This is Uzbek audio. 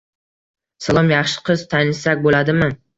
- Salom, yaxshi qiz, tanishsak bo'ladimi?